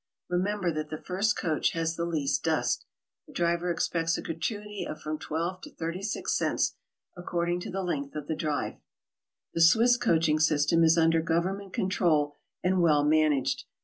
Re member that the first coach has the least dust. The driver expects a gratuity of from 12 to 36 cents, according to the length of the drive. The Swiss coaching system is under government con trol and well managed.